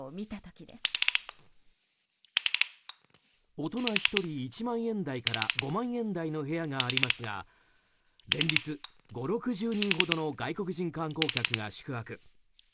大人１人、１万円台から５万円台の部屋がありますが連日、５０６０人ほどの外国人観光客が宿泊。